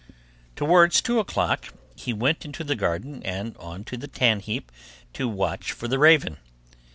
Towards two o'clock he went into the garden and on to the tan heap to watch for the raven.